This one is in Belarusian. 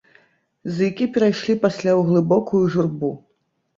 Зыкі перайшлі пасля ў глыбокую журбу.